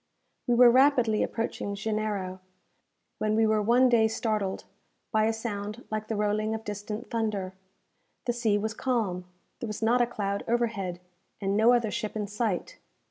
We were rapidly approaching Janeiro, when we were one day startled by a sound like the rolling of distant thunder. The sea was calm; there was not a cloud overhead, and no other ship in sight.